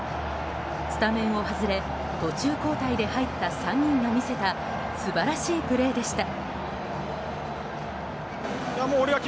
スタメンを外れ途中交代で入った３人が見せた素晴らしいプレーでした。